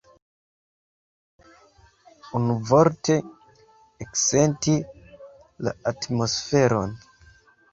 Unuvorte, eksenti la atmosferon.